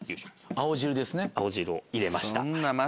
青汁を入れました。